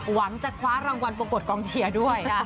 หวังจะคว้ารางวัลปรากฏกองเชียร์ด้วย